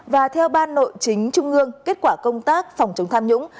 và theo ban nội chính trung ương kết quả công tác phòng chống tham nhũng